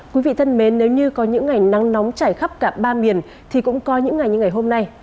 quý vị thân mến nếu như có những ngày nắng nóng chảy khắp cả ba miền thì cũng có những ngày như ngày hôm nay